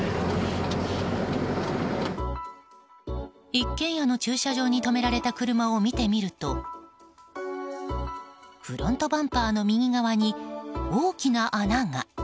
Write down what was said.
一軒家の駐車場に止められた車を見てみるとフロントバンパーの右側に大きな穴が。